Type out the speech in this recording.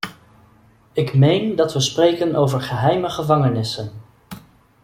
Ik meen dat we spreken over geheime gevangenissen.